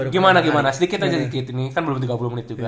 gimana gimana sedikit aja sedikit ini kan belum tiga puluh menit juga